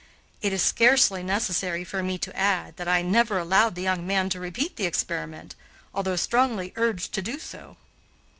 It is scarcely necessary for me to add that I never allowed the young man to repeat the experiment, although strongly urged to do so.